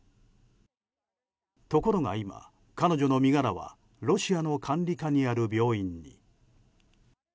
ところが今、彼女の身柄はロシアの管理下にある病院に。